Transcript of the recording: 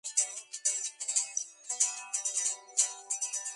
Sáenz Peña triunfó en todo el país, pero empató con Irigoyen en Mendoza.